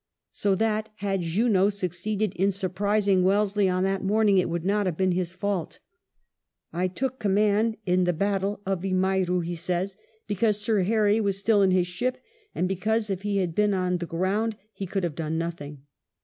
So that, had Junot succeeded in surprising Wellesley on that morning, it would not have been his fault. " I took the command in the battle" (of Vimiero), he says, "because Sir Harry was still in his ship, and because, if he had been on the ground, he could have done nothing."